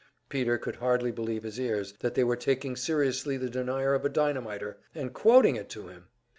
Peter could hardly believe his ears that they were taking seriously the denial of a dynamiter, and quoting it to him!